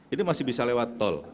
ini masih bisa lewat tol